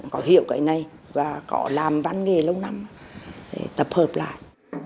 họ hiểu cái này và có làm văn nghề lâu năm tập hợp lại